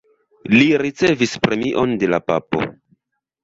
Li ricevis premion de la papo.